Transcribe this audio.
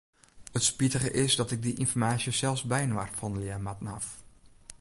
It spitige is dat ik dy ynformaasje sels byinoar fandelje moatten haw.